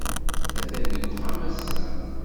Atan deg uxxam ass-a.